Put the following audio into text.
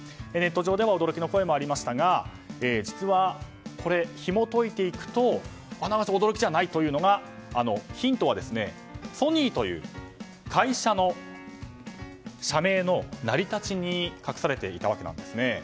ネット上での驚きの声もありましたが実は、ひも解いていくとあながち驚きじゃないというヒントはソニーという社名の成り立ちに隠されていたわけなんです。